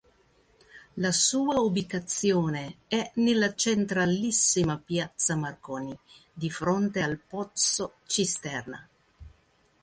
La sua ubicazione è nella centralissima Piazza Marconi, di fronte al pozzo-cisterna.